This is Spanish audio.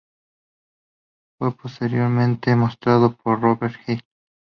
Y fue posteriormente mostrado por Robert Hill.